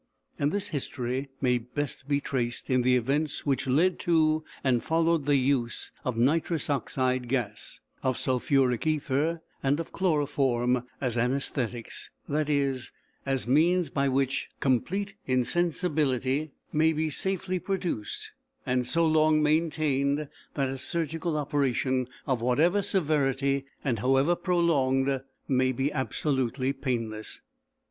And this history may best be traced in the events which led to and followed the use of nitrous oxide gas, of sulphuric ether, and of chloroform as anæsthetics that is, as means by which complete insensibility may be safely produced and so long maintained that a surgical operation, of whatever severity and however prolonged, may be absolutely painless.